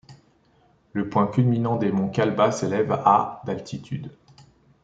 Le point culminant des monts Kalba s'élève à d'altitude.